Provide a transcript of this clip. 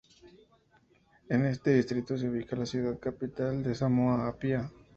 En este distrito se ubica la ciudad capital de Samoa, Apia.